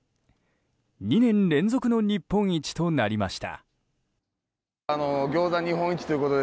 ２年連続の日本一となりました。